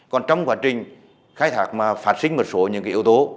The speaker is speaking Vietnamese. còn trong quá trình khách thạc mà phạt sinh một số những cái yếu tố